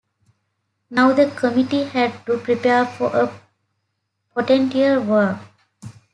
Now, the committee had to prepare for a potential war.